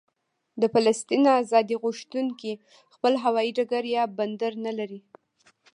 د فلسطین ازادي غوښتونکي خپل هوايي ډګر یا بندر نه لري.